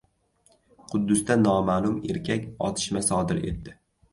Quddusda noma`lum erkak otishma sodir etdi